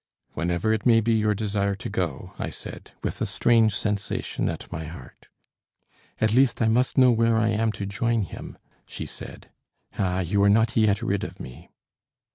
"Whenever it may be your desire to go," I said, with a strange sensation at my heart. "At least, I must know where I am to join him," she said. "Ah, you are not yet rid of me!"